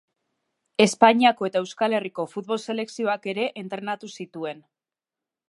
Espainiako eta Euskal Herriko futbol selekzioak ere entrenatu zituen.